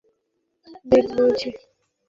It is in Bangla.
আমি জুনি আলী বেগ বলছি।